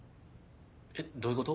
えっどういうこと？